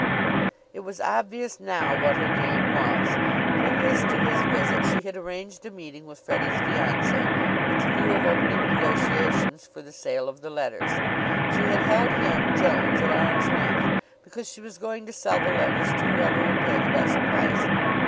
It was obvious now what her game was. Previous to his visit she had arranged a meeting with Freddie's fiancee, with the view of opening negotiations for the sale of the letters. She had held him, Jones, at arm's length because she was going to sell the letters to whoever would pay the best price.